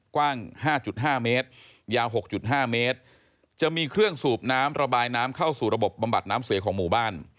กว้าง๕๕เมตรยาว๖๕เมตรจะมีเครื่องสูบน้ำระบายน้ำเข้าสู่ระบบบำบัดน้ำเสียของหมู่บ้าน